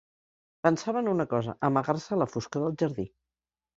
Pensava en una cosa: amagar-se a la foscor del jardí.